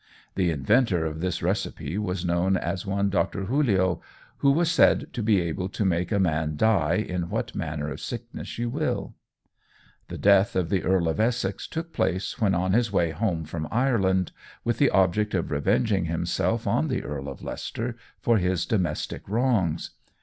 The inventor of this recipe was known as one Dr. Julio, who was said to be able to make a man dye in what manner of sickness you will." The death of the Earl of Essex took place when on his way home from Ireland, with the object of revenging himself on the Earl of Leicester for his domestic wrongs.